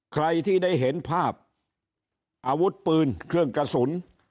ใครที่ได้เห็นภาพอาวุธปืนเครื่องกระสุน